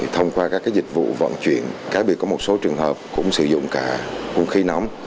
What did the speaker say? thông qua các dịch vụ vận chuyển có một số trường hợp cũng sử dụng cả vũ khí nóng